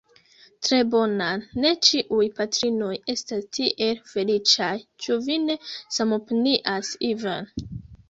Tre bonan, ne ĉiuj patrinoj estas tiel feliĉaj; ĉu vi ne samopinias Ivan?